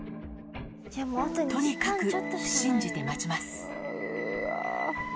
とにかく、信じて待ちます。